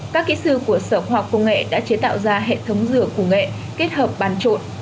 các kỹ sư của sở khoa học công nghệ đã chế tạo ra hệ thống rửa củ nghệ kết hợp bàn trộn